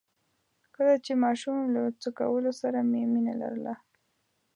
کله چې ماشوم وم له څه کولو سره مې مينه لرله؟